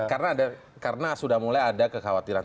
karena sudah mulai ada kekhawatiran